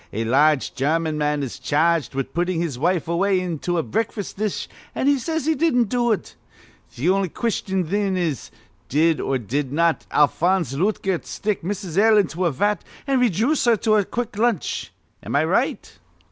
A large German man is charged with puttin' his wife away into a breakfas' dish, an' he says he didn't do it. Th' on'y question, thin, is Did or did not Alphonse Lootgert stick Mrs. L. into a vat, an' rayjooce her to a quick lunch? Am I right?"